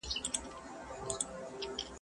لويان ئې پر کور وايي، کوچنيان ئې پر بېبان.